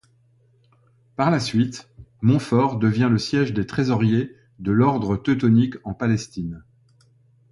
Par la suite, Montfort devient le siège des trésoriers de l'Ordre Teutonique en Palestine.